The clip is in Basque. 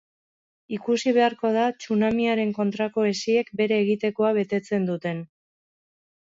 Ikusi beharko da tsunamiaren kontrako hesiek bere egitekoa betetzen duten.